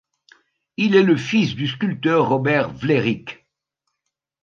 Il est le fils du sculpteur Robert Wlérick.